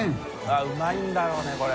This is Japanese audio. うまいんだろうねこれ。